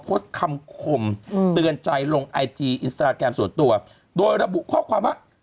โพสต์คำคมเตือนใจลงไอจีอินสตราแกรมส่วนตัวโดยระบุข้อความว่า